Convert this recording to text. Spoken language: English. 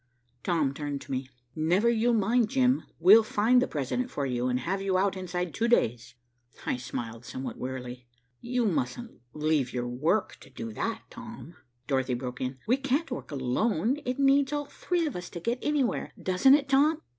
Tom turned to me. "Never you mind, Jim, we'll find the President for you, and have you out inside two days." I smiled somewhat wearily. "You mustn't leave your work to do that, Tom." Dorothy broke in. "We can't work alone. It needs all three of us to get anywhere, doesn't it, Tom?"